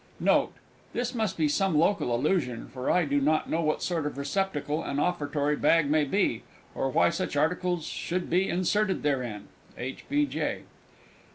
Note. This must be some local allusion, for I do not know what sort of receptacle an Offertory Bag may be, or why such articles should be inserted therein. H. B. J.